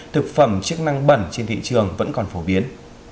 thực phẩm chức năng bẩn trên thị trường vẫn còn phổ biến